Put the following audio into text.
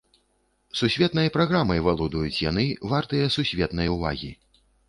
Сусветнай праграмай валодаюць яны, вартыя сусветнай увагі!